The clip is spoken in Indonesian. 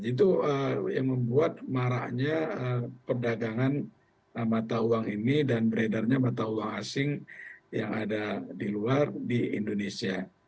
itu yang membuat maraknya perdagangan mata uang ini dan beredarnya mata uang asing yang ada di luar di indonesia